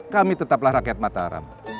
kami tetaplah rakyat mataram